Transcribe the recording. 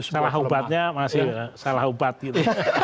salah obatnya masih salah obat gitu